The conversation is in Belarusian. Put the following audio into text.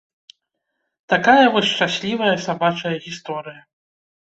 Такая вось шчаслівая сабачая гісторыя.